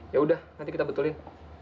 ya udah nanti kita betulin